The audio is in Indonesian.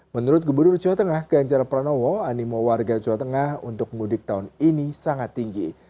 menurut gubernur jawa tengah ganjar pranowo animo warga jawa tengah untuk mudik tahun ini sangat tinggi